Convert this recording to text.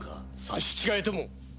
刺し違えても。